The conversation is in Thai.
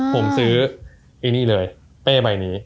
ผมซื้อไอ้นี่เลยเป้ใบนี้